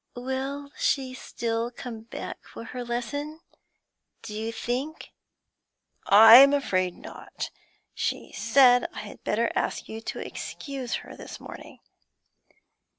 'Will she still come back for her lesson, do you think?' 'I'm afraid not; she said I had better ask you to excuse her this morning.'